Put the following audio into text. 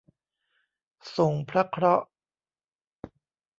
ส่งพระเคราะห์